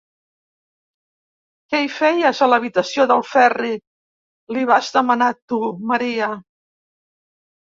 Què hi feies, a l'habitació del Ferri? –li vas demanar tu, Maria.